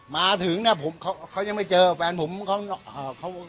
มาถึงนะผมเขายังไม่เจอแฟนผมก็ของเขา